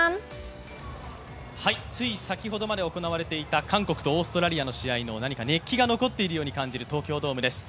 つい先ほどまで行われていた韓国とオーストラリアの試合の何か熱気が残っているように感じる東京ドームです。